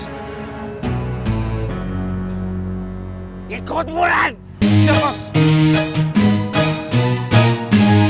ada bicara di dunia